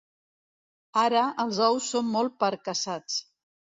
Ara, els ous són molt percaçats.